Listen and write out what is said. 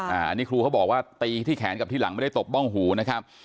อันนี้ครูเขาบอกว่าตีที่แขนกับที่หลังไม่ได้ตบบ้องหูนะครับ